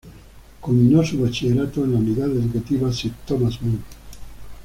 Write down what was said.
Culminó su Bachillerato en la Unidad Educativa Sir Thomas More.